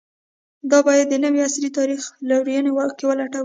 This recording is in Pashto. دا باید د نوي عصر تاریخي لورینو کې ولټوو.